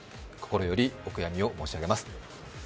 心よりお悔やみを申し上げます。